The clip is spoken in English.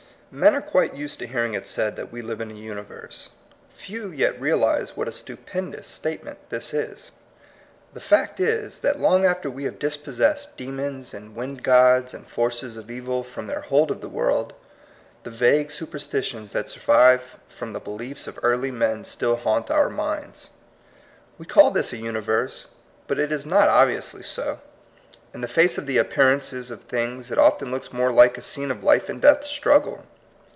Men are quite used to hearing it said that we live in a universe. Few yet re alize what a stupendous statement this is. The fact is, that long after we have dispos sessed demons and wind gods and forces of evU from their hold of the world, the vague superstitions that survive from the beliefs of early men still haunt our minds. We call this a universe, but it is not obviously so. In the face of the appearances of things, it often looks far more like a scene of life and death struggle.